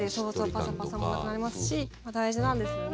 パサパサもなくなりますし大事なんですよね。